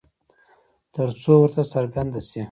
ترڅو ورته څرگنده شي